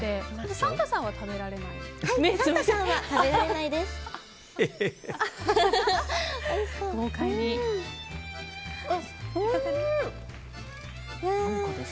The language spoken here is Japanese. サンタさんは食べられないです。